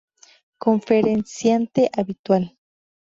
Conferenciante habitual.